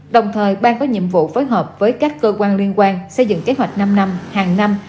đồng thời ban có nhiệm vụ phối hợp với các cơ quan liên quan xây dựng kế hoạch năm năm hàng năm